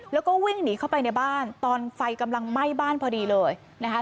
แล้วก็วิ่งหนีเข้าไปในบ้านตอนไฟกำลังไหม้บ้านพอดีเลยนะคะ